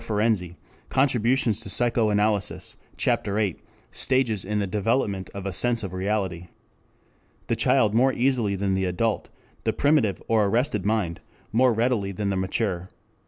Ferenczi, Contributions to Psychoanalysis, Ch. VIII, Stages in the Development of the Sense of Reality.] the child more easily than the adult, the primitive or arrested mind more readily than the mature.